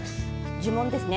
呪文ですね。